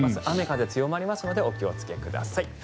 雨、風強まりますのでお気をつけください。